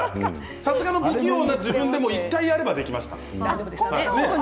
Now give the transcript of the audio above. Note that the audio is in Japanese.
さすがに不器用な自分でも１回やればできますか。